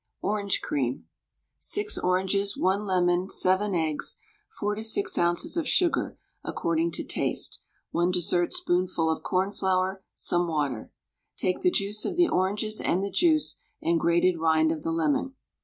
ORANGE CREAM. 6 oranges, 1 lemon, 7 eggs, 4 to 6 oz. of sugar (according to taste), 1 dessertspoonful of cornflour, some water. Take the juice of the oranges and the juice and grated rind of the lemon.